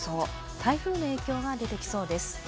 台風の影響が出てきそうです。